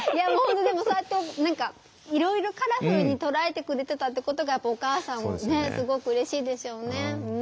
でもそうやって何かいろいろカラフルに捉えてくれてたってことがお母さんもねすごくうれしいでしょうね。